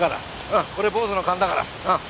うんこれ坊主の勘だから。うん。